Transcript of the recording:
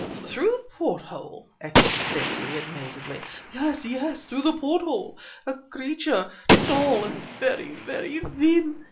"Through the porthole?" echoed Stacey, amazedly. "Yes, yes, through the porthole! A creature tall and very, very thin.